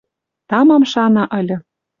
Тамам шана ыльы.